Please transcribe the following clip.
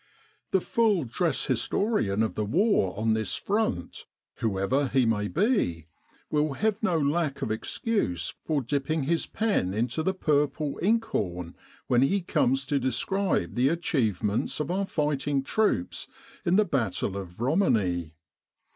The full dress historian of the war on this Front, 112 The Sinai Desert Campaign whoever he may be, will have no lack of excuse for dipping his pen into the purple ink horn when he comes to describe the achievements of our fighting troops in the battle of Romani.